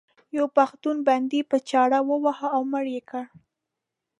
یو پښتون بندي په چاړه وواهه او مړ یې کړ.